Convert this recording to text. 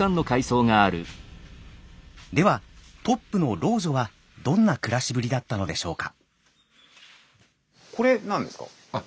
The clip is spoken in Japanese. ではトップの老女はどんな暮らしぶりだったのでしょうか。